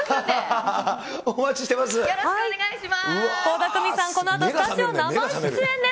倖田來未さん、このあとスタジオ生出演です。